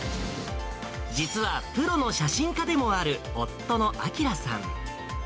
実は、プロの写真家でもある夫の晃さん。